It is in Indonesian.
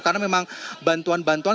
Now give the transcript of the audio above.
karena memang bantuan bantuan